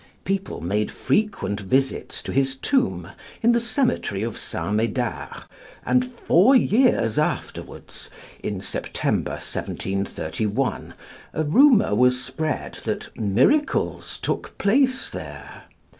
People made frequent visits to his tomb in the cemetery of St. Medard, and four years afterwards (in September, 1731) a rumour was spread that miracles took place there.